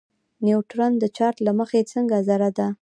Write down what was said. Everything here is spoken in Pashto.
نیوټرون د چارچ له مخې څنګه ذره ده.